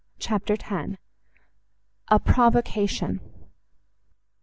CHAPTER x A PROVOCATION.